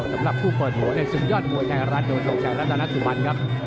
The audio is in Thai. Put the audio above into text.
สำหรับคู่เปิดหัวในสุดยอดมวยไทยรัฐโดนตกแสงรัฐธนาธุบันครับ